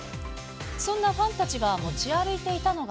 そんなファンたちが持ち歩いていたのが。